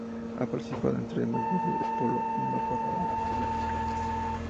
Ha participado en tres mundiales de polo, no ha pasado la primera ronda.